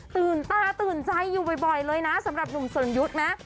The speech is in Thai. ตื่นตาตื่นใจอยู่บ่อยเลยนะสำหรับหนุ่มสนยุทธ์นะ